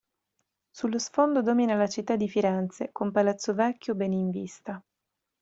Sullo sfondo domina la città di Firenze con Palazzo Vecchio ben in vista.